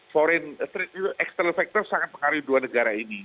foreign trade itu external factor sangat pengaruhi dua negara ini